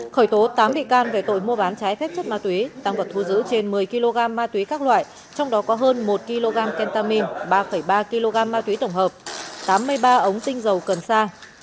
khởi tố tám bị can về tội mua bán trái phép chất ma túy tăng vật thu giữ trên một mươi kg ma túy các loại trong đó có hơn một kg kentamine ba ba kg ma túy tổng hợp tám mươi ba ống tinh dầu cần sa